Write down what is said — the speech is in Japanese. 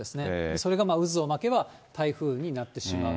それが渦を巻けば、台風になってしまう。